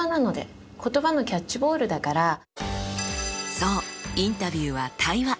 そうインタビューは対話。